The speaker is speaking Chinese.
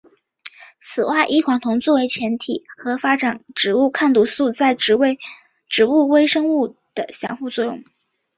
此外异黄酮作为前体的发展植物抗毒素在植物微生物的相互作用。